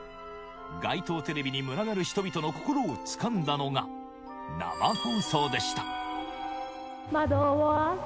街頭テレビに群がる人々の心をつかんだのが、生放送でした。